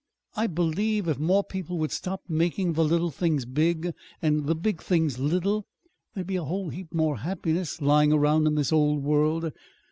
I believe if more people would stop making the little things big and the big things little, there'd be a whole heap more happiness lying around in this old world!